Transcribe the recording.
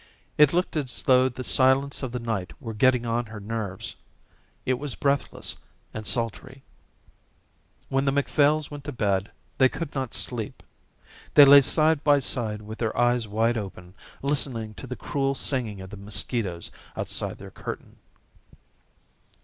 It looked as though the silence of the night were getting on her nerves. It was breathless and sultry. When the Macphails went to bed they could not sleep. They lay side by side with their eyes wide open, listening to the cruel singing of the mosquitoes outside their curtain.